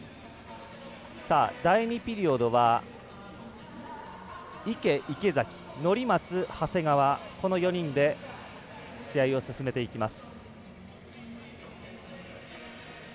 第２ピリオドは池、池崎、乗松、長谷川この４人で試合を進めていきます。